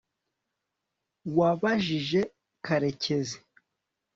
wabajije karekezi